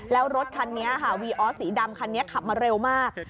แล้วรถคันนี้ค่ะวีออสสีดำคันนี้ขับมาเร็วมาก